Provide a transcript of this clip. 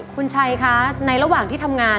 คุณชัยคะในระหว่างที่ทำงาน